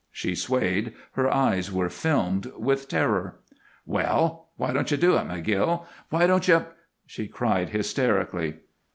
She swayed, her eyes were filmed with terror. "Well! Why don't you do it, McGill? Why don't you ?" she cried, hysterically.